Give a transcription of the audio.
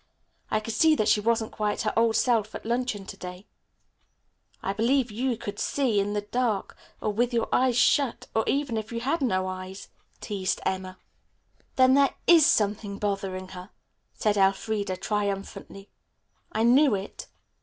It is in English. "I could see that she wasn't quite her old self at luncheon to day." "I believe you 'could see' in the dark or with your eyes shut or even if you had no eyes," teased Emma. "Then there is something bothering her," said Elfreda triumphantly. "I knew it."